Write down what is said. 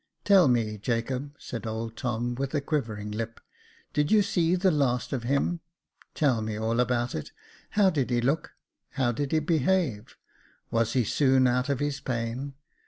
" Tell me, Jacob," said old Tom, with a quivering lip, " did you see the last of him ? Tell me all about it. How did he look .'' How did he behave ? Was he soon out of his pain